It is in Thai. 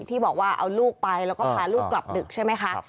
ที่บอกว่าเอาลูกไปแล้วก็พาลูกกลับดึกใช่ไหมคะ